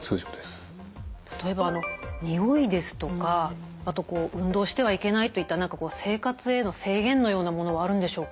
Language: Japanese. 例えば臭いですとかあと運動してはいけないといった何か生活への制限のようなものはあるんでしょうか？